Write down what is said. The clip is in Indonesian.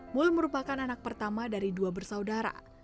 mul merupakan anak pertama dari dua bersaudara